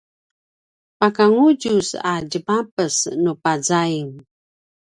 paka ngudjus a djemapes nu pazaing